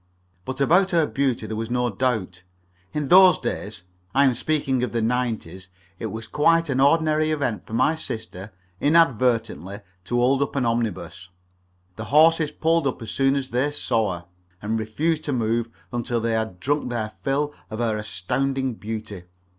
But about her beauty there was no doubt. In those days I am speaking of the 'nineties it was quite an ordinary event for my sister, inadvertently, to hold up an omnibus. The horses pulled up as soon as they saw her, and refused to move until they had drunk their fill of her astounding beauty.